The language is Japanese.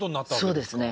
そうですね。